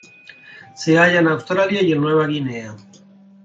Se halla en Australia y en Nueva Guinea.